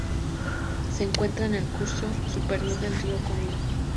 Se encuentra en el curso superior del río Congo.